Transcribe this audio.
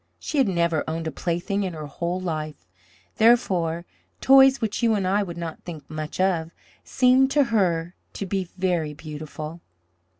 She had never owned a plaything in her whole life; therefore, toys which you and I would not think much of, seemed to her to be very beautiful.